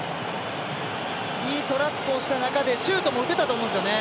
いいトラップをした中でシュートも打てたと思うんですよね。